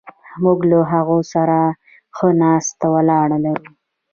موږ له هغوی سره ښه ناسته ولاړه لرو.